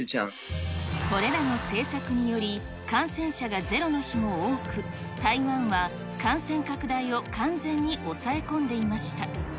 これらの政策により、感染者がゼロの日も多く、台湾は感染拡大を完全に抑え込んでいました。